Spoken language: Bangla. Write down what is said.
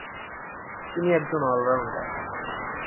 তিনি একজন অলরাউন্ডার।